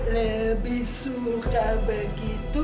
lebih suka begitu